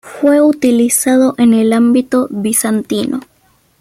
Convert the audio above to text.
Fue utilizado en el ámbito bizantino.